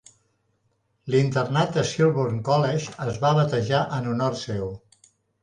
L'internat de Selborne College es va batejar en honor seu.